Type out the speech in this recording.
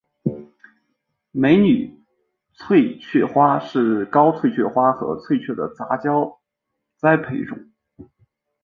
美女翠雀花是高翠雀花和翠雀的杂交栽培种。